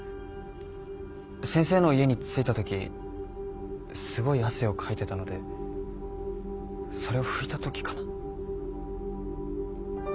先生の家に着いたときすごい汗をかいてたのでそれを拭いたときかな。